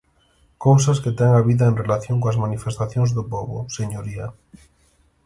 ¡Cousas que ten a vida en relación coas manifestacións do pobo, señoría!